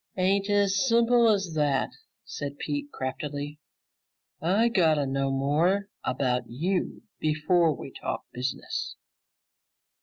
"Ain't as simple as that," said Pete craftily. "I gotta know more about you before we talk business."